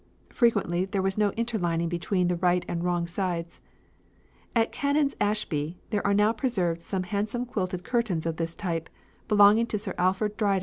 Frequently there was no interlining between the right and wrong sides. At Canons Ashby there are now preserved some handsome quilted curtains of this type, belonging to Sir Alfred Dryden, Baronet.